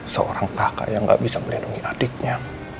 seorang kakak yang gak bisa melindungi adiknya